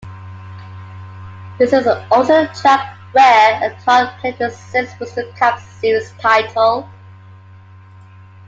This is also the track where Earnhardt claimed his sixth Winston Cup Series title.